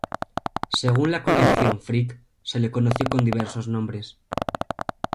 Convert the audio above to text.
Según la colección Frick, se le conoció con diversos nombres.